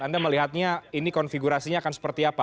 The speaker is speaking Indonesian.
anda melihatnya ini konfigurasinya akan seperti apa